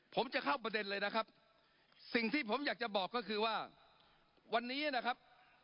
ผมจะเข้าประเด็นเลยนะครับสิ่งที่ผมอยากจะบอกก็คือว่าวันนี้นะครับ